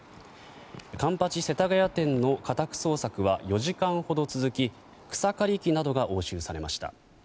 環八世田谷店の家宅捜索は４時間ほど続き草刈り機などが押収されました。